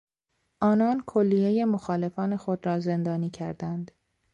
آنان کلیهی مخالفان خود را زندانی کردند.